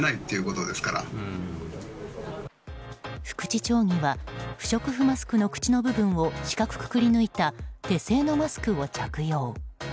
福地町議は不織布マスクの口の部分を四角くくり抜いた手製のマスクを着用。